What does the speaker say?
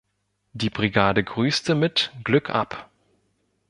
Die Brigade grüßte mit „Glück ab“.